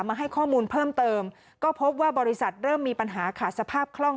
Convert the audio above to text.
มาให้ข้อมูลเพิ่มเติมก็พบว่าบริษัทเริ่มมีปัญหาขาดสภาพคล่อง